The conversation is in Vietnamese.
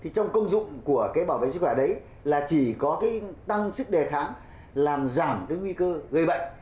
trong công dụng của bảo vệ sức khỏe đấy là chỉ có tăng sức đề kháng làm giảm nguy cơ gây bệnh